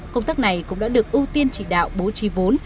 công tác này cũng đã được ưu tiên chỉ đạo bố trí vốn